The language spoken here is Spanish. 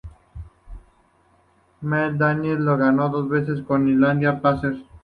Mel Daniels lo ganó dos veces con Indiana Pacers.